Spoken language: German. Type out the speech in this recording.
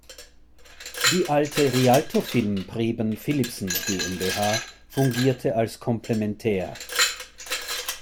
Die alte "Rialto Film Preben Philipsen GmbH" fungierte als Komplementär.